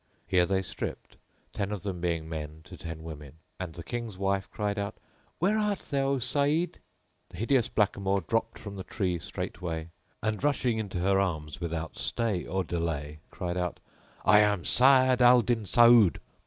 Here they stripped, ten of them being men to ten women, and the King's wife cried out, "Where art thou, O Saeed?" The hideous blackamoor dropped from the tree straightway; and, rushing into her arms without stay or delay, cried out, "I am Sa'ad al Din Saood!"